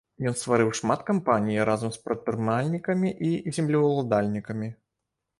Ён стварыў шмат кампаній разам з прадпрымальнікамі і землеўладальнікамі.